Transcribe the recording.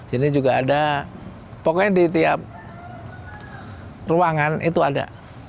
ini juga ada pokoknya di tiap ruangan itu ada